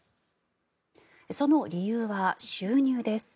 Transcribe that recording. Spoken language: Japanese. その理由は収入です。